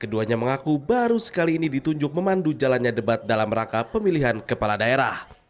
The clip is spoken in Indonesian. keduanya mengaku baru sekali ini ditunjuk memandu jalannya debat dalam rangka pemilihan kepala daerah